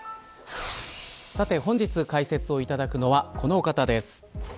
本日解説いただくのはこのお方です。